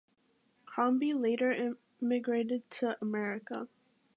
Crombie later emigrated to America.